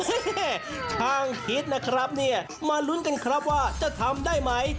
เฮ้เฮช่างคิดนะครับมาลุ้นกันครับว่าจะทำได้ไหม